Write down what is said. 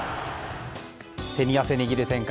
手に汗握る展開